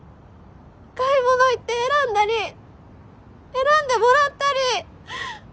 買い物行って選んだり選んでもらったり。